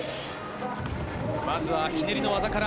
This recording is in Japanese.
まずは、ひねりの技から。